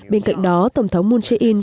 bên cạnh đó tổng thống moon jae in